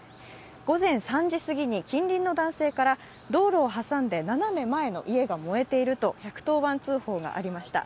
午前３時過ぎに近隣の男性から道路を挟んで斜め前の家が燃えていると１１０番通報がありました。